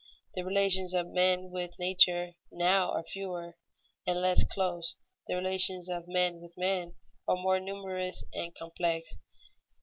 The relations of men with nature now are fewer, and less close; the relations of men with men are more numerous and complex.